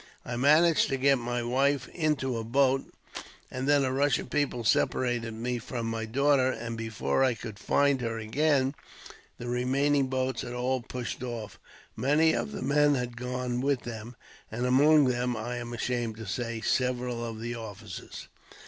I managed to get my wife into a boat, and then a rush of people separated me from my daughter; and before I could find her again, the remaining boats had all pushed off. Many of the men have gone with them, and among them, I am ashamed to say, several of the officers.